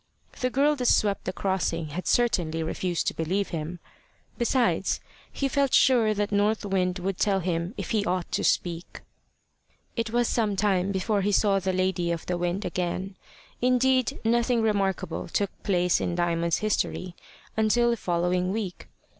The girl that swept the crossing had certainly refused to believe him. Besides, he felt sure that North Wind would tell him if he ought to speak. It was some time before he saw the lady of the wind again. Indeed nothing remarkable took place in Diamond's history until the following week.